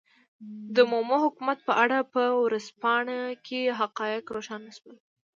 د مومو حکومت په اړه په ورځپاڼه کې حقایق روښانه شول.